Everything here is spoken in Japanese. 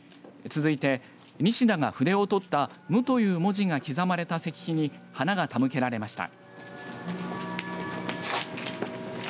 続いて、西田が筆をとった無という文字が刻まれた石碑に花が手向けられました。